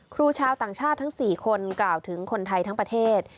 ครูชาวต่างชาติทั้ง๔คนกล่าวถึงคนไทยทั้งประเทศ